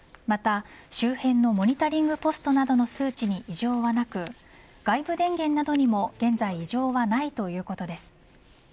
また周辺のモニタリングポストなどの数値に異常はなく外部電源などにも現在異常はないということです。